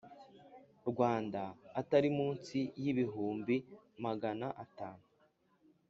Rwanda atari munsi y ibihumbi magana atanu